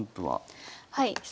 はい。